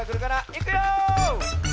いくよ！